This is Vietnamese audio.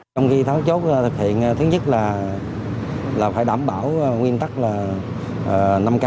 trong khi tháng chốt thực hiện thứ nhất là phải đảm bảo nguyên tắc là năm k